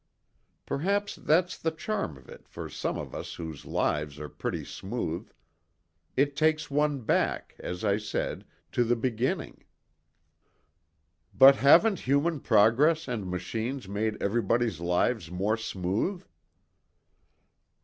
Perhaps that's the charm of it for some of us whose lives are pretty smooth it takes one back, as I said, to the beginning." "But haven't human progress and machines made everybody's lives more smooth?"